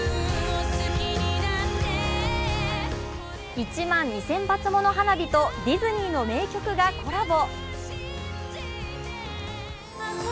１万２０００発もの花火とディズニーの名曲がコラボ。